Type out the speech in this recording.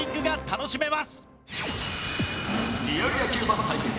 リアル野球 ＢＡＮ 対決